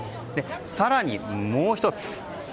更に、もう１つ。